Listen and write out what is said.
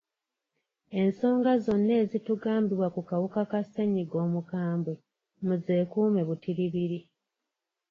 Ensonga zonna ezitugambibwa ku kawuka ka ssenyiga omukambwe mu zeekuume butiribiri.